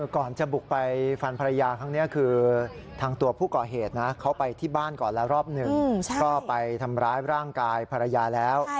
ก่อนจะบุกไปฟันภรรยาครั้งนี้คือทางตัวผู้ก่อเหตุนะเขาไปที่บ้านก่อนแล้วรอบหนึ่งก็ไปทำร้ายร่างกายภรรยาแล้ว